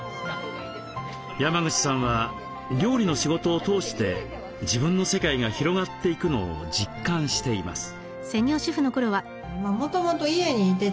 山口さんは料理の仕事を通して自分の世界が広がっていくのを実感しています。